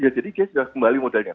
ya jadi dia sudah kembali modalnya